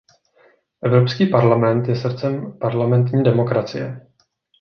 Evropský parlament je srdcem parlamentní demokracie.